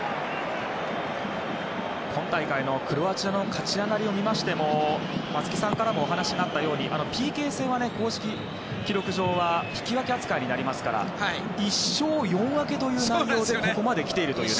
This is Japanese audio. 今大会のクロアチアの勝ち上がりを見ましても松木さんからもお話があったようにＰＫ戦は、公式記録上は引き分け扱いになりますから１勝４分けという内容でここまで来ているというね。